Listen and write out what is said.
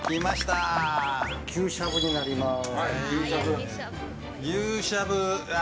牛しゃぶになります。